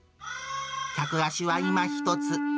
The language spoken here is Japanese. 客足はいまひとつ。